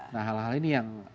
nah hal hal ini yang